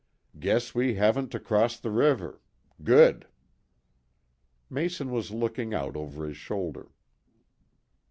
"Guess we haven't to cross the river. Good." Mason was looking out over his shoulder.